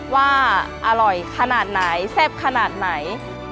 ว่าอร่อยขนาดไหนแซ่บขนาดไหน